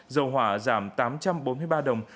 dầu hỏa giảm tám trăm bốn mươi ba đồng